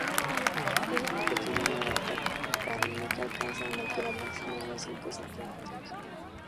Es una pequeña margarita perenne que alcanza una altura máxima de unos cinco centímetros.